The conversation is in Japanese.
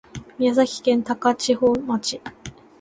宮崎県高千穂町